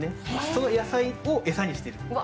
その野菜を餌にしている。